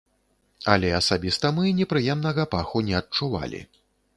Але асабіста мы непрыемнага паху не адчувалі.